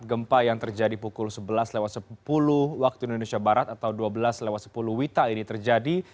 gempa yang terjadi pukul sebelas sepuluh waktu indonesia barat atau dua belas sepuluh wita ini terjadi